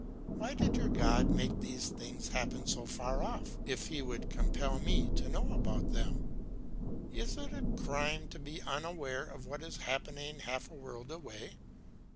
Why did your God make these things happen so far off, if he would compel me to know about them? Is it a crime to be unaware of what is happening half a world away?